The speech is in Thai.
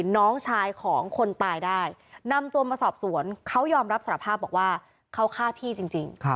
น้องชายของคนตายได้นำตัวมาสอบสวนเขายอมรับสารภาพบอกว่าเขาฆ่าพี่จริง